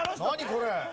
これ。